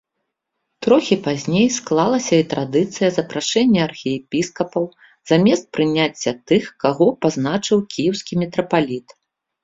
Трохі пазней склалася і традыцыя запрашэння архіепіскапаў замест прыняцця тых, каго прызначыў кіеўскі мітрапаліт.